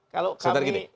kalau kami bertemu